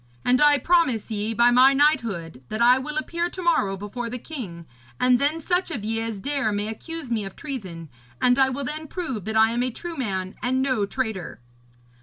And I promise ye, by my knighthood, that I will appear to morrow before the king, and then such of ye as dare may accuse me of treason, and I will then prove that I am a true man and no traitor.'